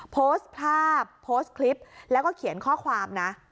โพสต์ภาพโพสต์คลิปแล้วก็เขียนข้อความนะ